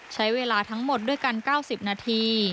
ใช้เวลาทั้งหมดด้วยกัน๙๐นาที